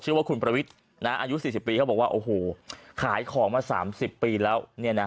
ว่าคุณประวิทย์อายุ๔๐ปีเขาบอกว่าโอ้โหขายของมา๓๐ปีแล้ว